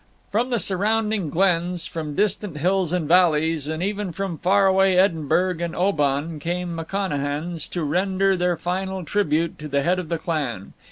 From the surrounding glens, from distant hills and valleys, and even from far away Edinburgh and Oban, came McConachans, to render their final tribute to the head of the clan.